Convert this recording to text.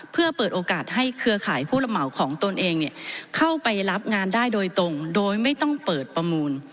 เพื่อเปิดโอกาสให้เครือข่ายผู้ระเหมาของตนเองเข้าไปรับงานได้โดยตรงโดยไม่ต้องเปิดประมูล